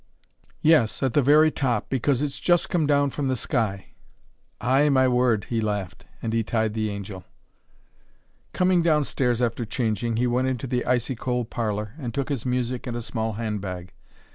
"Yes. At the very top because it's just come down from the sky." "Ay my word!" he laughed. And he tied the angel. Coming downstairs after changing he went into the icy cold parlour, and took his music and a small handbag.